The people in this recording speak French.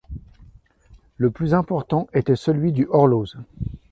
Le plus important était celui du Horloz.